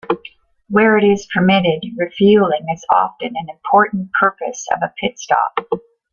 Where it is permitted, refuelling is often an important purpose of a pit stop.